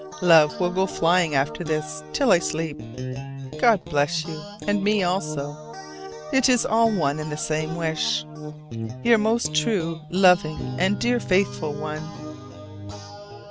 Love will go flying after this till I sleep. God bless you! and me also; it is all one and the same wish. Your most true, loving, and dear faithful one.